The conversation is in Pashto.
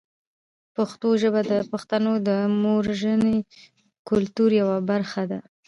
پښتو ژبه د پښتنو د موروثي کلتور یوه برخه ده.